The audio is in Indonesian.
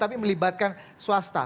tapi melibatkan swasta